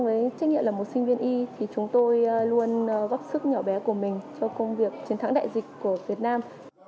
với trách nhiệm là một sinh viên y thì chúng tôi luôn góp sức nhỏ bé của mình cho công việc chiến thắng đại dịch của việt nam